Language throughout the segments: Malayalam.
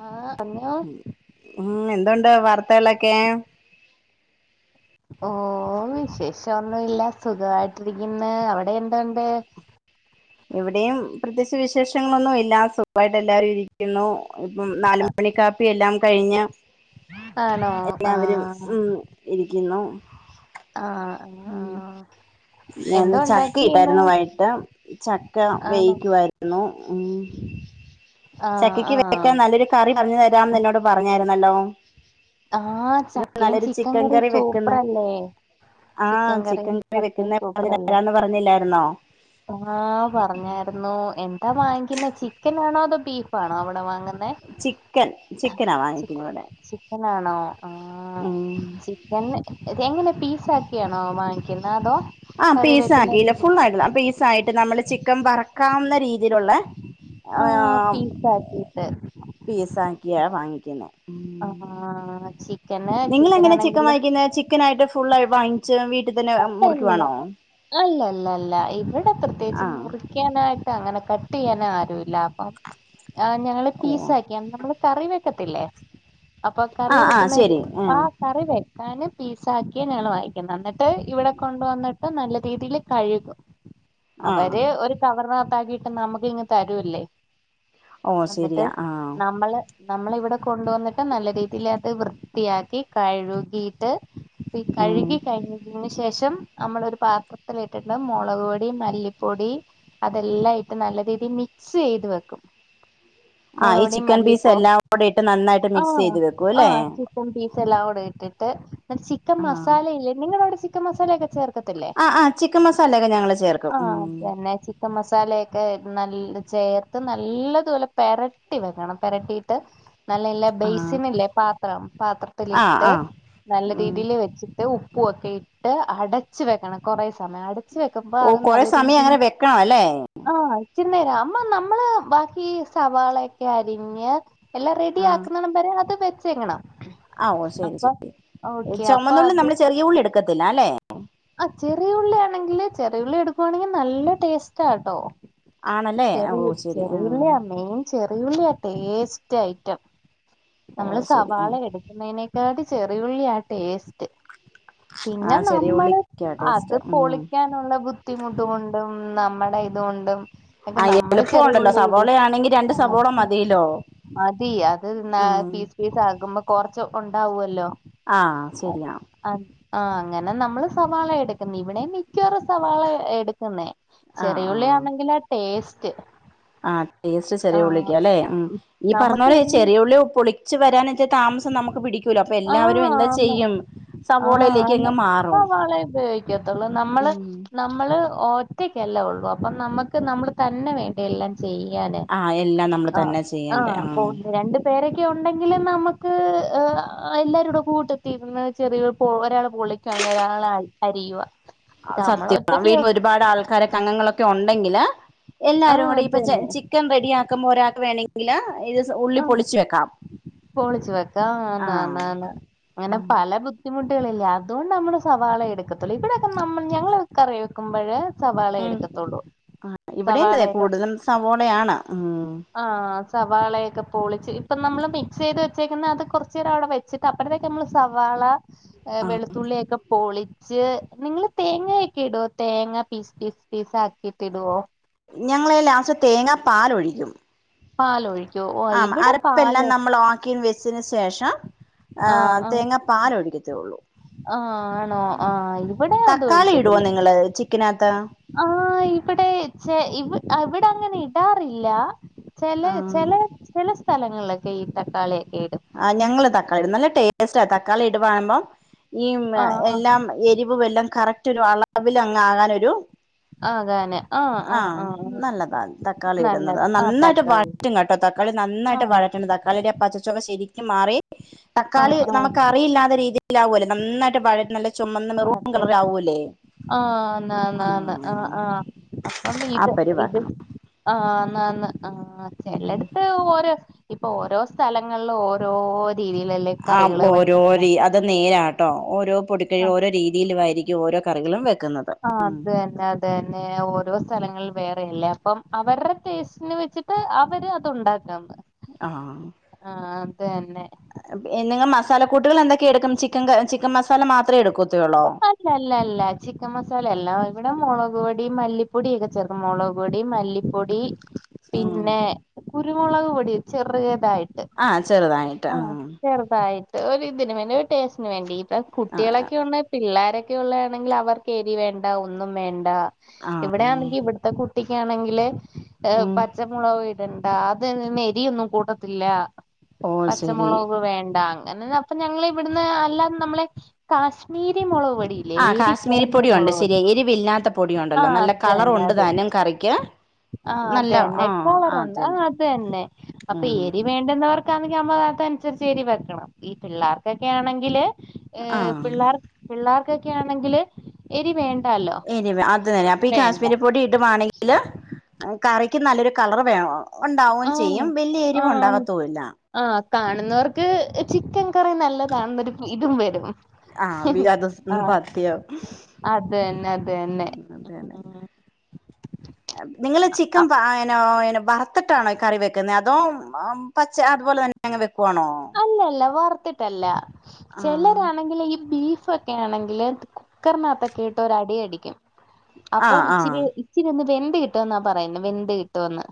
ആഹ് പറഞ്ഞോ ഉം എന്തുണ്ട് വാർത്തകളൊക്കെ? ഓ വിശേഷ ഒന്നുല്ല സുഖായിട്ട് ഇരിക്കുന്ന് അവിടെ എന്തോണ്ട് ഇവിടെയും പ്രത്യേകിച്ച് വിശേഷങ്ങളൊന്നും ഇല്ല സുഖായിട്ട് എല്ലാരും ഇരിക്കുന്നു ഇപ്പം നാലുമണി കാപ്പി എല്ലാം കഴിഞ്ഞ ആണോ എല്ലാവരും ആഹ് ഉം ഇരി എന്നോ [unintelligible] ആഹ് ഉം ആഹ് ഞാൻ എന്തോ ചക്ക ഉണ്ടാക്കി ഇന്ന് ഇട്ടായിരുന്നു വൈകിട്ട് ചക്ക ആണോ വേവിക്കുവായിരുന്നു എം ആഹ് ചക്കയ്ക്ക് ആഹ് വെക്കാൻ നല്ലൊരു കറി പറഞ്ഞു തരം എന്ന് എന്നോട് പറഞ്ഞരുന്നു നലോം ആഹ ചക്ക ചിക്കൻ കറി സൂപ്പർല്ലേ ആഹ ചിക്കൻ കറി വെക്കുന്ന പറഞ്ഞരാന്ന് പറഞ്ഞില്ലായിരുന്നോ ആഹ് പറഞ്ഞായിരുന്നു എന്താ വാങ്ങിക്കുന്ന ചിക്കൻ ആണോ അതോ ബീഫാണോ അവിടെ വാങ്ങുന്നേ ചിക്കൻ ചിക്കനാ വാങ്ങിക്കുന്നത് ഇവിടെ ചിക്കനാണോ ആ ഉം എങ്ങനെ സറ്റ് ആണോ വാങ്ങിക്കുന്നത് ആ പീസ ആക്കിയില്ല ഫുൾ ആയിട്ട പീസ ആയിട്ട് നമ്മള് ചിക്കൻ കമാ രീ ഇതിലുള്ള ആഹ് പീസാക്കിയിട്ട് പീസാക്കിയ വാങ്ങിക്ക പിന ആഹ നിങ്ങള എങ്ങനെ ചിക്കൻ വാങ്ങി ക്കുന്നെ ചിക്കൻ ആയിട്ട് ഫുള്ളായി വാങ്ങിച്ച് വീട്ട അല്ലല്ല അല്ലല്ലല്ല ഇവിടെ പ്രത്യേകിച്ച് ആഹ് മുറിക്കാനായി് അങ്ങനെ കട്ട് ചെയ്യാന ആരുല്ല അപ്പൊ ആ ഞങ്ങള്ൾ ഓ പീസ് ആക്കി നമ്മള് കറി വെ പത്തില്ലേ അപ്പൊ കറി ആഹ് ആഹ് വെക്കുന്ന ശരി ഉം ആഹ് കറി വെ ഞാന് പീസ് ആക്കിയാണ് ഞാണ് വായിക്കുന്നത് എന്നിട്ട് ട്ട് ഇവിടെ കൊണ്ടുവന്നിട്ട് നല്ല രീതിൽ കഴുകും ആഹ് അവര് ഒരു കവർന ആകിട്ട് നമുക്കിങ്ങ് തരൂല്ലേ ഓ എന്നിട്ട് ശരിയാ ആഹ നമ്മള് ഇവിടെ കൊണ്ട് വന്നിട്ട് നല്ല രീതിൽ അത് വൃത്തിയാക്കി കഴുകിട്ട് ഉം കഴുകി കഴ അതിന് ശേഷം നമ്മളൊരു ഒരു പാത്രത്തിൽ ഇട്ടിണ്ട് മുളക് പൊടി മല്ലിപ്പൊടി അതെല്ലാം ഇട്ട് നല്ല രീതിൽ മിക്സ് ചെയ്ത് വെക്കും ആഹ് ഈ മൊളോടി ചിക്കൻ പീസ് മല്ലിപ്പൊ എല്ലാം കൂടെ ഇട്ട് നന്നായിട്ട് ആ മിക്സ് ചെയ്ത് വെക്കും ആ അല്ലേ ചിക്കൻ പീസ് എല്ലാം കൂടെ ഇട്ടിട്ട് ചിക്കൻ ആഹ് മസാല ഇല്ലേ നിങ്ങടവിടെ ചിക്കൻ മസാല ഒക്കെ ചേർ ത്തില്ലെ ആഹ് ആഹ് ചിക്കൻ മസാലയൊക്കെ ഞങ്ങള് ചേർക്കും ആ ഉം അന്നെ ചിക്കൻ മസാലൊക്കെ നല്ല ചേർത്ത് നല്ലതുപോലെ പെരട്ടി വെക്കണം പെരട്ടിട്ട് നല്ല നല്ല ആഹ് ബേസിനില്ലേ പാത്രം ആഹ് പാത്രത്തിലിട്ട് ആഹ് നല്ല ഉം രീതിൽ വെച്ചിട്ട് ഉ പ്പു ഒക്കെ ട്ട് അടച്ച വെക്കണം കുറേ സ മയം അടച്ച് വെക്കുമ്പോ ഓ അത് കൊറെ നല്ല സമയം രീതിയിൽ അങ്ങനെ വെക്കണം അല്ലേ ആ ക്കിന്നേന് പിന്നെ അമ്മ നമ്മള് ബാക്കി സവാളൊക്കെ അരിഞ്ഞ് എല്ലാം ആ റെഡിയാക്കുന്നടം വരെ അത് വെ ച്ച് വെക്കണം ഓ ശരി ശരി അപ്പൊ ചുമന്നുള്ളി നമ്മള് ചെറിയുള്ളി എടുക്കത്തില്ല അല്ലെ ആ ചെറിയ ഉള്ളിയാണെങ്കില് ചെറിയുള്ളി എടുക്കുവാണെങ്കി നല്ല ടേസ്റ്റാട്ടോ ആണല്ലേ ചെറിയ ഓ ശരി ആ ചെറിയുള്ളിയാ മെയിൻ ചെറിയുള്ളിയാ ടേസ്റ്റ് ഐറ്റം ഓ നമ്മള് ശരി ആ സവാള എടുക്കുന്നതിനേക്കാട്ടി ചെറിയുള്ളിയാ ടേസ്റ്റ് ആ പിന്നെ ചെറിയ നമ്മള് ഉള്ളിക്കാ അത് ടേസ്റ്റ് ഉം പൊളിക്കാനുള്ള ബുദ്ധിമുട്ടു കൊണ്ടും നമ്മുടെ ഇത് കൊണ്ടും ക്കെ ആ നമ്മള് എളുപ്പമുണ്ടല്ലോ ചെറിയുള്ളി ഇടും സവോളയാണെങ്കി രണ്ട് സവോള മതിയല്ലോ മതി അത് ഉം പീസ് പീസ് ആക്കുമ്പോ കൊറ ക്കെ ഒണ്ടാവുല്ലോ ആ ശരിയാ ആ അങ്ങനെ നമ്മള് സവാള എടുക്കുന്നെ ഇവിടേം മിക്കവാറും സവാള എടുക്കുന്നേ ആ ആ ചെറിയുള്ളിയാണെങ്കിലാ ടേസ് റ്റ് ആ ടേസ്റ്റ് ചെറിയ ഉള്ളിക്ക് അല്ലെ ഉം ഈ പറഞ്ഞ നമുക്ക് പോലെ എന്ത് ചെറിയുള്ളി പൊളിച്ച് വരാനിച്ചിരി താമസം നമുക്ക് പിടിക്കൂലോ അപ്പൊ ആ എല്ലാവരും എന്താ ആന്ന് ചെയ്യും സവോളയിലേക്ക് അങ്ങ് മാറും സവാള ഉപയോഗിക്കത്തുള്ളൂ നമ്മള് ഉം നമ്മള് ഓ ഒറ്റക്കല്ലേ ഉള്ളൂ അപ്പം നമുക്ക് നമ്മള് തന്നെ വേണ്ടിയെല്ലാം ചെയ്യാനെ ആ എല്ലാം നമ്മള് ആ തന്നെ ചെയ്യണ്ടേ ആഹ് പോ ആ രണ്ടുപേരെ ല്ലെ ഉണ്ടെങ്കില് നമക്ക് എല്ലാവാരൂടെ കൂട്ടത്തിന്ന് ചെറിയ ഒരാള് പൊളിക്കാണെ ഒരാള് അരി അരിയുക സത്യം അപ്പൊ ഈ ഒരുപാട് ആൾക്കാരൊക്കെ അങ്ങളൊക് ക്കെ ഒണ്ടെങ്കില് ആ എല്ലാരൂടി ഇപ്പ ചെ അതന്നെ ചിക്കൻ റെഡി ആക്കുമ്പോ ഒരാൾക്ക് വേണെങ്കി ഇല്ല എഴു ആ പൊളിച്ചു വെക്കാം ആഹ് നനനാ അങ്ങനെ പല ബുദ്ധിമുട്ട് കളില്ലേ അതുകൊണ്ട് നമ്മള് സവാള എടുക്കത്തുള്ളൂ ഇവിടെൊക്കെ നമ്മൾ ഞങ്ങൾ കറിവെക്കുമ്പഴ് ആം ആ ഇവിടേം സവാളയൊക്കെ കൂടുതലും സവോളയാണ് ആ സവാളയൊക്കെ പൊളിച്ച് ഇപ്പൊ നമ്മള് മിക്സ്യ്ത് വെച്ചേക്കുന്ന അത് കുറച്ചു നേരം അവിടെ വെച്ചിട്ട് അപ്പഴത്തേക്ക് നമ്മള് സവാള ഏ വെളുത്തുള്ളിയൊക്കെ പൊളി [unintelligible] നിങ്ങള് തേങ്ങയൊക്കെ ഇടോ തേങ്ങ പീസ് പീസ് പീസ് ആക്കിട്ട് ഇടുവോ ഞങ്ങളെ ലാസ്റ്റ് തേങ്ങാ പാല് ഒഴിക്കും പാലൊഴി ആം അരപ്പെല്ലാം നമ്മൾ ആക്കി വെച്ചന് ശേഷം ആ ആഹ് ആഹ് തേങ്ങാ പാല് ഒഴിക്കത്തെയുള്ളൂ ആഹ് ആണോ ആഹ് തക്കാളി ഇടുവോ നിങ്ങള് ചിക്കനാ ആ ഇവിടെ ചെ ഇവി അവിടെ അങ്ങനെ ഇടാറില്ല ചെല ആഹ് ചെല ചെല സ് സ്ഥലങ്ങളിലൊക്കെ ഈ തക്കാളി ആ ഞങ്ങള് താ [unintelligible] നല്ല ടേസ്റ്റാ തക്കാളി ഇടുവാമ്പം ഈം ആഹ് ആഹ് എല്ലാം എരിവുവെല്ലാം കറക്റ്റ് റ്റൊരു അളവിൽ അങ്ങ് ആകാനൊരു ആകാന് ആഹ് ആഹ് ആം ആഹ് നല്ലതാ തക്കാളി ഇടുന്നത് നല്ലത് അത് ആഹ് നന്നായിട്ട് തക്കാളി വറ്റും കേട്ടോ തക്കാളി നന്നായിട്ട് ആഹ് വഴറ്റണം തക്കാളിയുടെ ആ പച്ച ശെരിക്കും മാറി തക്കാളി ആഹ് ആഹ് നമുക്കറിയില്ലാത രീതിൽ ആവൂലൊ നന്നായിട്ട് വഴറ്റണം [unintelligible] ചൊമന്ന മെറൂൺ കളറ് ആവൂല്ലേ ന്നാ ന്നാ ആന്ന് ആ അ അപ്പം ആ ഇത് ഇത് പരിവാക്കണം ആംമ് [unintelligible] ആ ഉം ഉം. ചെലടത്ത് ഓര് ഇപ്പൊ ഓരോ സ്ഥലങ്ങളില് ഓരോ രീതിയിലല്ലേ ആം കറികള് വെക്കുന്നേ ഓരോരി അത് നേരാ ട്ടോ ഓരോ ആ [unintelligible] ഓരോ രീതിയിൽ വാരി ഈ ഓരോ കറികളും വെക്ക് ആ അത് തന്നെ അത് തന്നെ ഓരോ സ്ഥലങ്ങളിൽ വേറെയല്ലേ അപ്പം അവരുടെ ടേസ്റ്റിന് വെച്ചിട്ട് അവര് അത്ണ്ടാ ആ ആ ആഹ തന്നെ നിങ്ങൾ മസാല കൂട്ടുകൾ എന്തൊക്കെയടുക്കും ചിക്കൻ ചിക്കൻ മസാല മാത്രമേ എടുക്കൂ അല്ല അല്ല അല്ല ചിക്കൻ മസാല അല്ല ഇവിടെ മുള മുളക് പൊടി മല്ലിപ്പൊട ഒക്കെ ചേർക്കും മുളക് പൊടി മല്ലിപ്പൊടി ഉം പിന്നെ കുരുമുളക് പൊടി ചെറിയ യിട്ട് ആഹ് ചെറുതായിട്ട് ആ ആഹ് ചെറുതായിട്ട് ഒരു ഇതിന് വേണ്ടി ഒരു ടേസ്റ്റിനു സ്റ്റിന് വേണ്ടി ആഹ് കുട്ടികളൊക്കെ ഉണ്ട പിള്ളാരൊക്കെ ഉള്ളയാണെങ്കിൽ അവർക്ക് എരി വേണ്ട ഒന്നും വേണ്ട ആഹ് ഇവിടെയാണെങ്കിൽ ഇവിടത്തെ കുട്ടി ട്ടിക്കാണെങ്കില് ഏഹ്ഹ് ഉം പച്ചമുളക് ഇടണ്ട [unintelligible] നെരിയൊന്നും കൂട്ടത്തില്ല ഓ ശരി പച്ചമുളക് വേണ്ടാങ് അങ്ങനെ അപ്പ ഞങ്ങളിവിടുന്ന് അല്ലാ നമ്മളെ കാശ് നീരിമുളോ ആ കാശ്മീരി പൊടിയ ഉണ്ട് ശരിയ എരിവില്ലാത്ത പൊടിയുണ്ടല്ലോ ആഹ് നല്ല അത് കളർ തന്നെ ഉണ്ട് അത് താനും കറിക്ക് ആഹ് അത് നല്ല തന്നെ ആ ആ അ കളറുണ്ട് തന്നെ ആഹ് അത് ഉം ക്കാണെങ്കിൽമ്മകത്തെ അനുസരിച്ച് എരി വെക്കണം ഈ പിള്ളേർക്കൊക്കെ ആണെങ്കില് ഏഹ ആഹ് പിള്ളേർ പിള്ളേർക്കൊക്കെ ആണെങ്കിൽ എരി വേണ്ട വേണ്ടാല്ലോ എരിവ് അത് തന്നെ അപ്പൊ ഈ കാശ്മീരി പൊടി ഇടുവാണെങ്കില് കറിക്ക് നല്ലൊരു കളർ വേണ ആഹ ആ ആഹ കാണുന്നവർക്ക് ചിക്കൻ കറി നല്ലതാണെന്നൊരു ഇതും വരും ആവിലെ അതൊന്നു ആഹ് പഥ്യം അത് തന്നെ അത് തന്നെ അതന്നെ ഉം നിങ്ങള് ചിക്കൻ അ- വറുത്തിട്ടാണോ കറി വെക്കുന്നത് അതോ പച്ച അതുപോലെ തന്നെ വെക്കുവാണോ അല്ലല്ല വർത്തിട്ടല്ല ആഹ് ചിലരാണെങ്കിൽ ഈ ബീഫ് ഫൊക്കെ ആണെങ്കിൽ കുക്കറിനകത്തൊക്കെ ഇട്ട് ഒരടിയടിക്കും ആഹ് അപ്പം ഇച്ചിരി ആഹ് ഇച്ചിരി ഒന്ന് [unintelligible] വ കിട്ടോന്നാ പറയെന്നെ വെന്ത് കിട്ടോന്ന്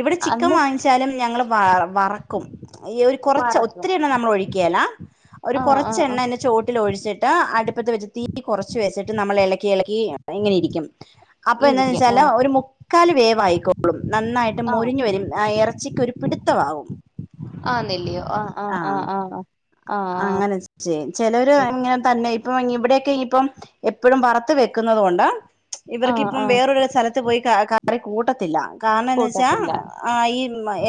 ഇവിടെ ചിക്കൻ വാങ്ങിച്ചാലും ഞങ്ങള് വ വറക്കും ഈ ഒരു കുറച്ച് വറക്കും ഒത്തിരി എണ്ണം നമ്മൾ ഒഴിക്കുഏലാ ഒരു ആ ആ കുറച്ച ആ എണ്ണ അയിന്റെ ചോട്ടിൽ ഒഴിച്ചിട്ട് അടു ഇപ്പോഴത്തെ വെച്ച തീ കുറച്ച് വയസ്സിട്ട് നമ്മൾ ഇളക്കി ഇളക്കി എങ്ങനെ ഇരിക്കും അപ്പൊ എന്താന്ന് ഇരിക്കും ആ വെച്ചാ ഒരു മുക്കാൽ വേ അളും നന്നായിട്ട് ആ മോരിഞ്ഞു വരും ആ ഇറച്ചിക്കൊ ഒരു പിടുത്തമാവും ആഹ നെല്ലയോ ആ് ആഹ് ആഹ് ആഹ് ആ അങ്ങനെ ചെ ചിലരു എങ്ങനെ തന്നെ ഇപ്പം ഇവിടെയൊക്കെ ഇനിയിപ്പം എപ്പോഴും വറത്ത് വെക്കുന്നത് കൊണ്ടാ ആ ഇവർക്ക് ഇപ്പം ആ വേറൊരു സ്ഥലത്ത് പോയി ക ആരെ കൂട്ടത്തില്ല കാരണം എന്ന് വെച്ചാ കൂട്ടത്തില്ല ആ ഈ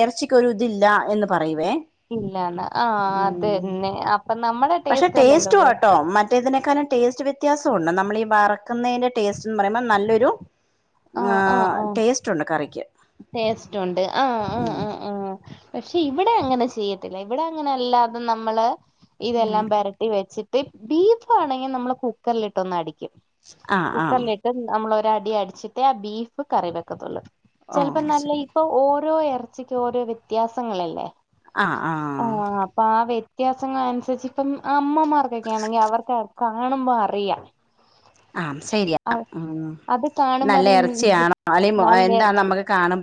എ ച്ചക്ക് ഒരു ഇതില്ല എന്ന് പറയുവേ ഇല്ലാണ് ആഹ അത് ഉം തന്നെ ആ നമ്മടെ പക്ഷെ അല്ലല്ലോ ടേസ്റ്റ് വേ വാട്ടോ, മറ്റേതിനേക്കാളും ടേസ്റ്റ് വ വ്യത്യാസമുണ്ട്, നമ്മൾ ഇ വറക്കുന്നതിന്റെ ടേസ്റ്റ് പറയുബം നല്ലൊരു ആ, ടേസ്റ്റ് ഉണ്ട് കറി ടേസ്റ്റ് ഉണ്ട് ആഹ് ആ ഉം ആ ആ പക്ഷെ ഇവിടെ അങ്ങനെ ചെയ്യത്തില്ല, ഇവിടെ അങ്ങനെ അല്ലാതെ നമ്മള് ഉം ഇതെല്ലാം വരട്ടി വെച്ചി ബീഫ് ആണെങ്കിൽ നമ്മള് കുക്കറിലിട്ട് ഒന്ന് അടിക്കും ആ ആ കുക്കറിലിട്ട് നമ്മളൊ അടി അടിച്ചിട്ടേ ആ ബീഫ് കറി വെക്കത്തൊള്ളു. ഓ ചിലപ്പോ നല്ല ശരി ഇപ്പൊ ഓരോ എർ ഇറച്ചിക്കും ഓരോ വ്യത്യാസങ്ങലില്ലേ? ആ ആ ആഹ് പ്പാ വേ ത്യാസങ്ങളൻസരിചിപം അമ്മമാർകൊക്ക്യാണെങ്കിൽ അവർക് കാണുംബം അറിയാ ആഹ ശരിയാ ആ അത് കാണുമ്പോ നല്ല അറിയും ഇറച്ചിയണോ അല്ലെങ്കി എന്താ നമ്മുക്ക് കാണും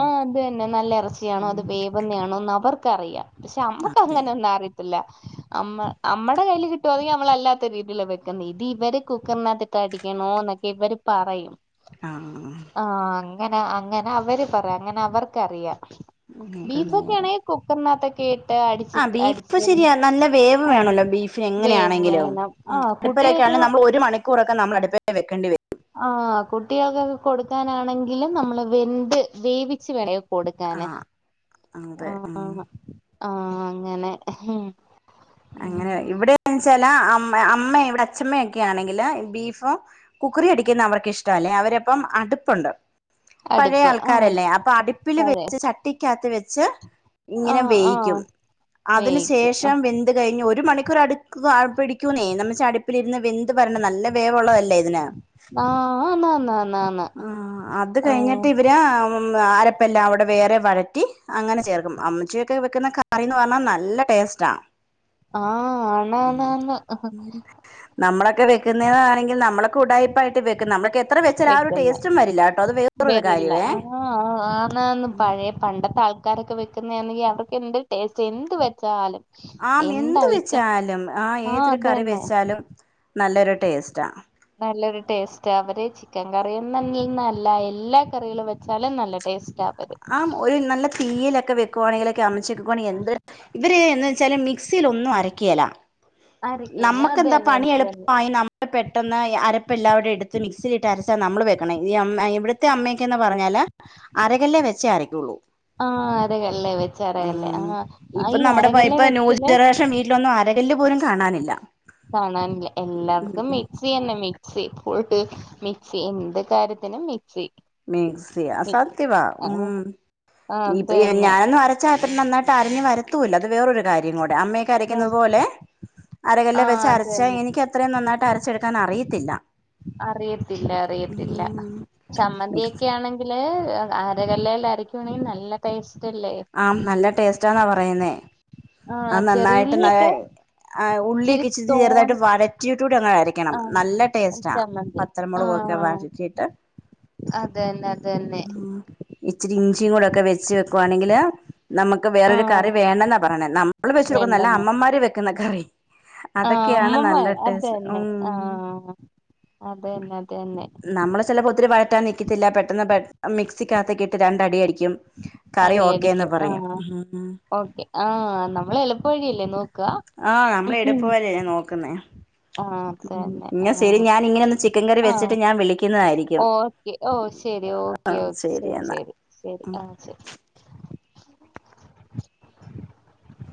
ആഹ അത് തന്നെ നല്ല ഇറച്ചിയാണോ അത് ഉം വേവുന്നയാണോ അവർ ക്കറിയാം പക്ഷെ നമ്മുക്ക് അതെ അങ്ങനെ ഒന്നും അറ മ്മ നമ്മടെ കയ്യിൽ കിട്ടുവ അതെങ്ക നമ്മളല്ലാത്ത രീതിൽ വെക്കുന്നത് ഇത് ഇവര് കുക്കറിനകട്ട അടിക്കണോ എന്നൊക്കെ ഇവര് പറയും ആഹ് ആഹ് അങ്ങനെ അങ്ങനെ അവര് പറയാ അങ്ങനെ അവർക്കറിയാം ബീഫോക്കയാണ കുക്കറിനാത്ത കേ ആ ബീഫ് ശരിയാ നല്ല വേവ് ആഹ് വേണല്ലോ ബീഫന് വേവ് എങ്ങനെയാണെങ്കിലും വേണം ഉം ആഹ് അടുപ്പിലൊക്കെ കുട്ടികൾക്ക് ആണേൽ നമ്മൾ ഒരു മണിക്കൂറൊക്കെ നമ്മൾ അടുപ്പേ വെക്കേണ്ടി വരും വക്കാനാണെങ്കിലും നമ്മൾ വെന്ത് വേവിച്ചു [unintelligible] കൊടുക്കാനെ ആഹ് ആ അതെ ആ ഉം ആഹ് അങ്ങനെ ഉം അങ്ങനെ ഇവിടെന്ന്ച്ചാ അമ്മ ഇവിടെ അച്ഛമ്മയൊക്കെ ആണെങ്കില് ബീഫും കുക്കറി അടിക്കുന്ന അവർക്ക് ഇഷ്ട അല്ലേ അവരപ്പം അടുപ്പുണ്ട് പഴയ അടുപ്പ് ആഹ് ആൾക്കാരല്ലേ അപ്പൊ അടുപ്പില് പഴയ വെച്ച് ചട്ടിക്കാത്ത് വെച്ച് [unintelligible] ഇങ്ങനെ ആഹ് ആഹ് വേയിക്കും അതിന് വേവിക്കും ശേഷം ഒരു മണിക്കൂർ അടു പിടിക്കൂുന്നേ നമ്മടുപ്പിലിരുന്ന് ന്ത് പറന് നല്ല വേവുള്ളതല്ലേ ഇതിന് ആഹ് ആന്ന് ആന്ന് ആന്ന് ആന്ന് അ അത് ആഹ് കഴിഞ്ഞിട്ട് ഇവര് എം അരപ്പല്ല അവിടെ വേറെ വഴറ്റി അങ്ങനെ ചേർക്കും അമ്മച്ചിയൊക്കെ വെക്കുന്ന കറിന്ന് പറഞ്ഞാൽ നല്ല ടേസ്റ്റാണ് ആഹ് ആണാന്നാന്ന് നമ്മളൊക്കെ വെക്കുന്നതാണെങ്കിൽ നമ്മളെ ഉടായിപ്പായിട്ട് വെക്കുന്ന നമ്മക്ക് എത്ര വെച്ചാലും ആ ഒരു വെക്കുന്ന ടേസ്റ്റും വരില്ലട്ടോ അത് വേറൊരു വരില്ല. കാര്യമേ ആഹ് ക്കാരൊക്കെ വെക്കുന്നെയാണെങ്കിൽ അതെക്കേ എന്ത് ടേസ്റ്റ് എന്ത് വെച്ചാലും ആ എന്ത് വെച്ചാലും ആ ആഹ് ഏതൊരു അത് കറി തന്നെ വെച്ചാലും നല്ലൊരു ടേസ്റ്റാ നല്ലൊരു ടേസ്റ്റ് അവര് ചിക്കൻ കറിയൊന്നങ്ങിനല്ല എല്ലാ കറികൾ വെച്ചാലും നല്ല ടേസ്റ്റ ആ ഒരു നല്ല തീയിലൊക്കെ വെക്കുവാണെങ്കിൽ [unintelligible] [unintelligible] എന്തൊരു ഇവര് എന്ന് വച്ചാല് മിക്സിയിൽ ഒന്നും അരക്കിയല അരക്കയില്ല അത് നമ്മുക്കെന്താ തന്നെ പണി അത് തന്നെ എളുപ്പമായി നമ്മ പെട്ടെന്ന് അരപ്പ് എല്ലാംകൂടി എടുത്ത് മിക്സിലിട്ട് അരച്ച നമ്മള് വെക്കണം ഈ അമ്മ ഇവിടത്തെ അമ്മക്കെന്ന് പറഞ്ഞാൽ അരകല്ലെ വെച്ചേ അരക്കുള്ളൂ ആ അരകല്ലേ വെച്ച അരകല്ലേ ഉം ആ ഇപ്പൊ ഈ അരകല്ലേ വെച്ചില്ലേ എല്ലു പോലും കാണാനില്ല കാണാനില്ല ഉം എല്ലായിടത്തും മിക്സി തന്നെ മ സി പുൾട്ട് മി എന്ത് കാര്യത്തിനും മിക്സി മിക്സിയ അ സത്യവാ ഉ ആഹ് അത് തന്നെ ഞാനൊന്നും അരച്ചാ അ നന്നായിട്ട് അരഞ്ഞു വരത്തൂല്ല അത് വേറൊ കാര്യം കൂടെ അമ്മയൊക്കെ അരക്കുന്ന പോലെ അരകല്ലെ ആഹ് വെച്ചരച്ച അതന്നെ എനിക്കത്ര നന്നായിട്ടര വച്ചെടുക്കാൻ അറിയത്തില്ല അറിയത്തില്ല അറിയത്തില്ല ഉം മിക്സ് ചമ്മന്തിയൊക്കെ ആണെങ്കില് അരകല്ലേൽ അരക്കുവാണെങ്കിൽ നല്ല ടേസ്റ്റ് അല്ലേ ആ നല്ല ടേസ്റ്റ് റ്റാന്നാ പറയുന്നേ ആഹ് അത് നന്നായിട്ട് ന ചെറിയുള്ളിയൊക്കെ ഇച്ചിരി ഉള്ളിയൊക്കെ ചെറുതായിട്ട് തോനെ വഴറ്റിയിട്ട് കൂടി ഒന്നരക്കണം ആഹ് നല്ല ടേസ്റ്റ് ആണ് ചമ്മന്തി വത്തലമുളകൊക്കെ ആഹ് വരറ്റിട്ട് അതന്നെ അതന്നെ ഇച്ചിരി ഇഞ്ചിയും കൂടെ ഒക്കെ വെച്ച വെക്കുവാണെങ്കില് നമുക്ക് വേറൊരു ആഹ് കറി വേണ്ടന്നാ പറയണ വെച്ചുടുക്കുന്നല്ല വേണ്ടന്ന് അമ്മമാര് ന്ന ക്കറി ആഹ് അമ്മമാർ അതന്നെ ഉം ആഹ് അതന്നെ അതന്നെ തില്ല പെട്ടന്ന് പെട്ട മിക്സിക്കകതേക്ക് ഇട്ട് രണ്ടടി അടിക്കും കറി അടി ഓക്കേന്ന് അടിക്കും പറയും ആഹ് ഉം ഓക്കെ ആഹ് നമ്മളെളുപ്പവഴിയല്ലേ നോക്കു ആഹ് നമ്മളെടുപ്പവഴി അല്ലെ നോക്കുന്നേ ആഹ് ഉം തന്നെ എന്നാ ശരി ആഹ് ഞാൻ ഇങ്ങനെ ഒന്ന് ചിക്കൻ കറി ആഹ് വെച്ചിട്ട് ഞാൻ വിളിക്കുന്നതായിരിക്കും ഓക്കെ ഓ ശരി ഓക്കെ ആഹ് ഓക്കേ ശരി എന്നാ ശരി ശരി ഉം ആഹ് ശരി [unintelligible]